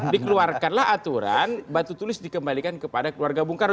dikeluarkanlah aturan batu tulis dikembalikan kepada keluarga bung karno